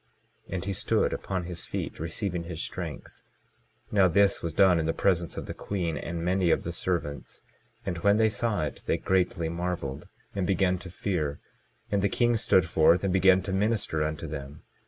And he stood upon his feet, receiving his strength. 22:23 Now this was done in the presence of the queen and many of the servants. And when they saw it they greatly marveled, and began to fear. And the king stood forth, and began to minister unto them.